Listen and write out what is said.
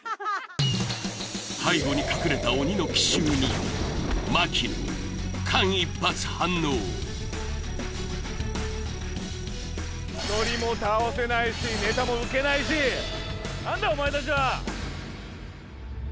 背後に隠れた鬼の奇襲に槙野間一髪反応一人も倒せないしネタもウケないし何だお前たちは！